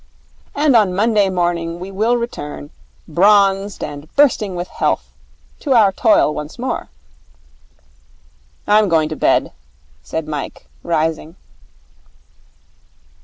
And on Monday morning we will return, bronzed and bursting with health, to our toil once more.' 'I'm going to bed,' said Mike, rising.